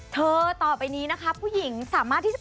ต่อไปนี้นะคะผู้หญิงสามารถที่จะ